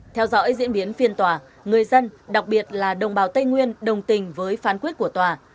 theo dõi diễn biến phiên tòa người dân đặc biệt là đồng bào tây nguyên đồng tình với phán quyết của tòa